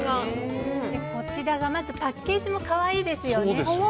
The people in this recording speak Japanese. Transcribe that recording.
こちらは、まずパッケージも可愛いですよね。